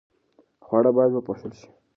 خواړه باید وپوښل شي.